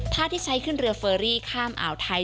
ที่ใช้ขึ้นเรือเฟอรี่ข้ามอ่าวไทย